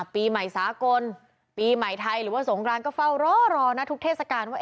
ปีใหม่สากลปีใหม่ไทยหรือว่าสงครานก็เฝ้ารอรอนะทุกเทศกาลว่า